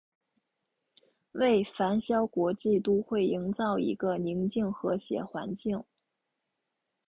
为繁嚣国际都会营造一个宁静和谐环境。